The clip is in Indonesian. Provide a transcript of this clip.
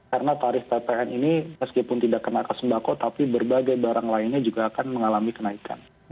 karena tarif ppn ini meskipun tidak kena kesembako tapi berbagai barang lainnya juga akan mengalami kenaikan